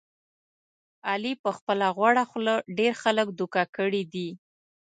علي په خپله غوړه خوله ډېر خلک دوکه کړي دي.